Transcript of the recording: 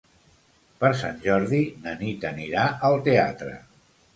Per Sant Jordi na Nit anirà al teatre.